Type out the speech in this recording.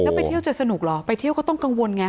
แล้วไปเที่ยวจะสนุกเหรอไปเที่ยวก็ต้องกังวลไง